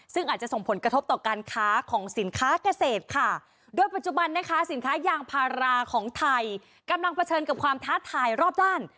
ซึ่งอาจจะส่งผลกระทบต่อการค้าของสินค้าเกษตรค่ะโดยปัจจุบันนะคะสินค้ายางพาราของไทยกำลังเผชิญกับความท้าทายรอบด้าน